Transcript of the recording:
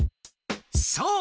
そう！